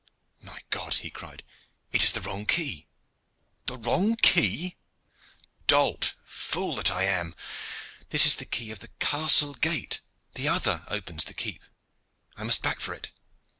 "My God!" he cried, "it is the wrong key." "The wrong key!" "Dolt, fool that I am! This is the key of the castle gate; the other opens the keep. I must back for it!"